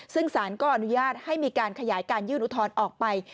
ซึ่งสารก็อนุญาตให้มีการขยายการยื่นอุทธรณ์ออกไป